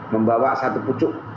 membawa satu pucuk